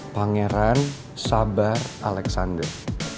pangeran sabar alexander